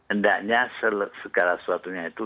endaknya segala suatunya itu